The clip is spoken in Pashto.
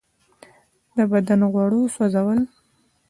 د بدن غوړو سوځول.